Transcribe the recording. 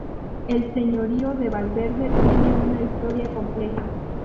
El señorío de Valverde tiene una historia compleja.